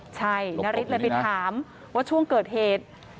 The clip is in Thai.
ใช่นาริสเลยไปถามว่าช่วงเกิดเหตุ